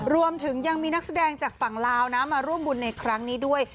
รวมถึงยังมีนักแสดงจากฝั่งลาวนะมาร่วมบุญในครั้งนี้ด้วย